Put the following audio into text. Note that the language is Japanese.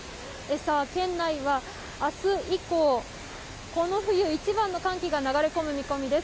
県内はあす以降、この冬一番の寒気が流れ込む見込みです。